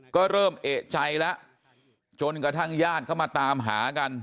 ก็เริ่มเอกใจแล้วจนกระทั่งญาติเข้ามาตามหากัน